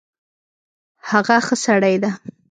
هغه ښه سړی ده